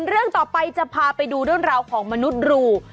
เรื่องต่อไปจะพาไปดูเรื่องราวของมนุษย์รู